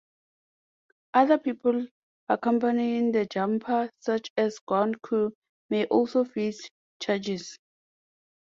Other people accompanying the jumper, such as ground crew, may also face charges.